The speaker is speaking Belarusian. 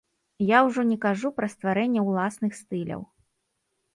Я ўжо не кажу пра стварэнне ўласных стыляў.